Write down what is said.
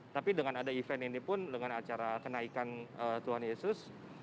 tapi dengan ada event ini pun dengan acara kenaikan tuhan yesus